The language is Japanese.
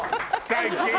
最近。